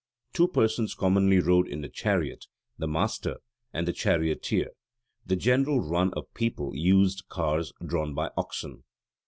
Two persons commonly rode in a chariot, the master and the charioteer. The general run of people used cars drawn by oxen.